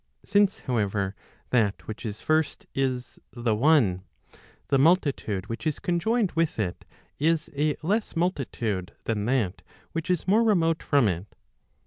Since however, that which is first is the one , the multitude which is conjoined with it, is a less multitude than that which is more remote from it.